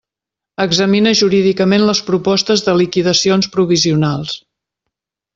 Examina jurídicament les propostes de liquidacions provisionals.